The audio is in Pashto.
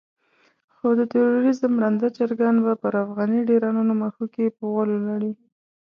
خو د تروريزم ړانده چرګان به پر افغاني ډيرانونو مښوکې په غولو لړي.